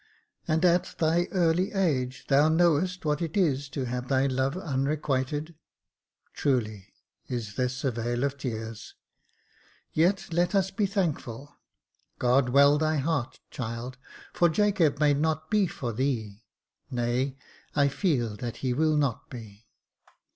And, at thy early age, thou knowest what it is to have thy love unrequited. Truly is this a vale of tears — yet let us be thankful. Guard well thy heart, child, for Jacob may not be for thee ; nay, I feel that he will not be."